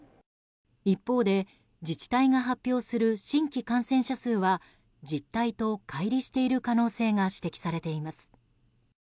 一方で自治体が発表する新規感染者数は実態と乖離している可能性が指摘されています。